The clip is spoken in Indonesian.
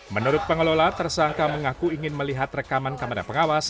menurut pengelola tersangka mengaku ingin melihat rekaman kamera pengawas